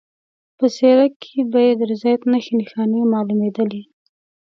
په څېره کې به یې د رضایت نښې نښانې معلومېدلې.